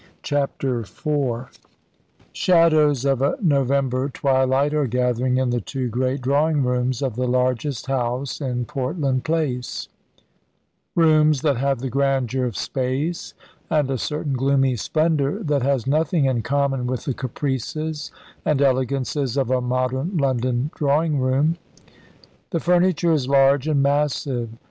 CHAPTER IV Shadows of a November twilight are gathering in the two great drawing rooms of the largest house in Portland Place, rooms that have the grandeur of space, and a certain gloomy splendour that has nothing in common with the caprices and elegances of a modern London drawing room. The furniture is large and massive.